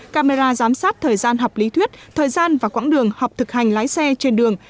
camera giám sát thời gian học lý thuyết thời gian và quãng đường học thực hành lái xe trên đường